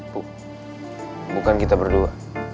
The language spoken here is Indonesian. bu bukan kita berdua